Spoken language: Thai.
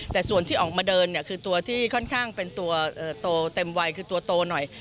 แต่ส่วนที่ออกมาเดินเนี่ยคือตัวที่ค่อนข้างเป็นตัวโตเต็มวัยคือตัวโตหน่อย